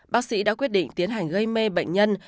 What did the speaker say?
bác sĩ đã quyết định tiến hành gây mê bệnh nhân